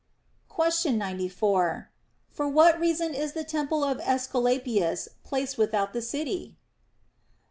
Question 94. For what reason is the temple of Aescu lapius placed without the city